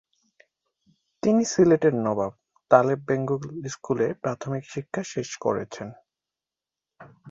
তিনি সিলেটের নবাব তালেব বেঙ্গল স্কুলে প্রাথমিক শিক্ষা শেষ করেছেন।